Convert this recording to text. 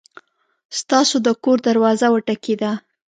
ستاسو د کور دروازه وټکېده!